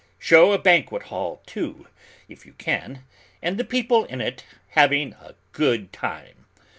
Show a banquet hall, too, if you can, and the people in it having a good time.